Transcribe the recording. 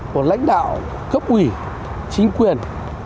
của lãnh đạo cấp ủy chính quyền